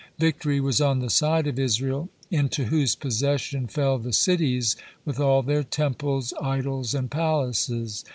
Victory was on the side of Israel, into whose possession fell the cities with all their temples, idols, and palaces.